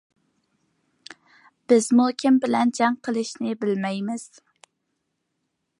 بىزمۇ كىم بىلەن جەڭ قىلىشنى بىلمەيمىز.